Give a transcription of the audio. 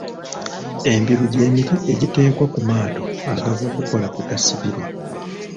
Embiru gy’emiti egiteekwa ku maato agava okukola kwe gasibirwa.